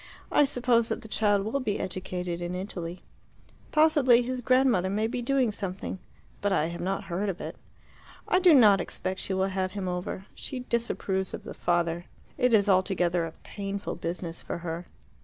I suppose that the child will be educated in Italy. Possibly his grandmother may be doing something, but I have not heard of it. I do not expect that she will have him over. She disapproves of the father. It is altogether a painful business for her."